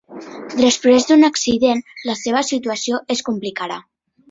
Després d’un accident, la seva situació es complicarà.